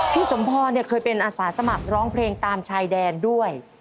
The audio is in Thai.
สมพรเคยเป็นอาสาสมัครร้องเพลงตามชายแดนด้วย